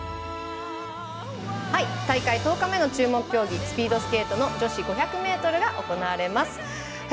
大会１０日目の注目競技スピードスケートの女子５００ｍが行われます。